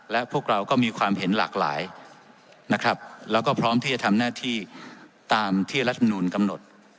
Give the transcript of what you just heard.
และพวกเราก็มีความเห็นหลากหลายนะครับแล้วก็พร้อมที่จะทำหน้าที่ตามที่รัฐมนูลกำหนด